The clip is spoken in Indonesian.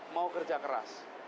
mau kerja keras